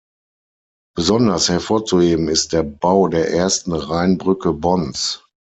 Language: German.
Besonders hervorzuheben ist der Bau der ersten Rheinbrücke Bonns.